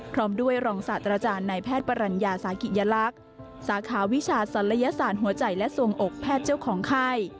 พร้อมด้วยรองศาสตราจารย์นายแพทย์ปรัญญาสากิยลักษณ์สาขาวิชาศัลยศาสตร์หัวใจและส่วงอกแพทย์เจ้าของไข้